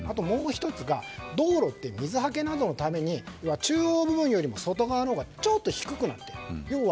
もう１つが道路って水はけなどのために中央部分より外の部分のほうがちょっと低くなっている。